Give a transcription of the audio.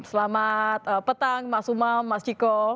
selamat petang mas umam mas ciko